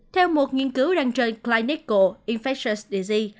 theo một nghiên cứu đăng trên clinical infectious disease